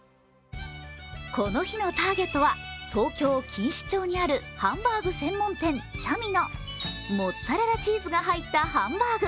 この日のターゲットは東京・錦糸町にあるハンバーグ専門店Ｃｈａｍｉのモッツァレラチーズが入ったハンバーグ。